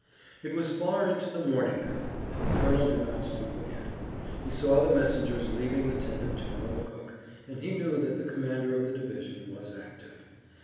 It was far into the morning now and the colonel did not sleep again. He saw the messengers leaving the tent of General McCook, and he knew that the commander of the division was active.